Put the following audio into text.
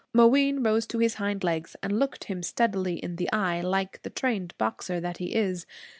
Mooween rose to his hind legs, and looked him steadily in the eye, like the trained boxer that he is.